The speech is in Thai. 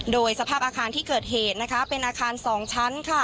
โดยสภาพอาคารที่เกิดเหตุเป็นอาคาร๒ชั้น